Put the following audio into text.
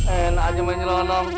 eh enak aja mainnya loh